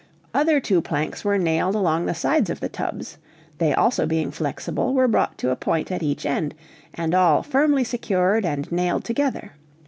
Other two planks were nailed along the sides of the tubs; they also being flexible, were brought to a point at each end, and all firmly secured and nailed together.